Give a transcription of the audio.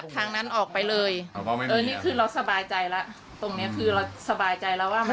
ตรงนี้คือเราสบายใจแล้วว่า